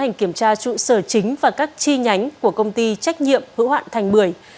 tiến hành kiểm tra trụ sở chính và các chi nhánh của công ty trách nhiệm hữu hoạn thành bưởi